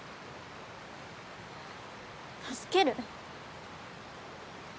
助ける？